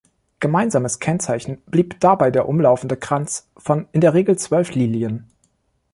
Gemeinsames Kennzeichen blieb dabei der umlaufende Kranz von in der Regel zwölf Lilien.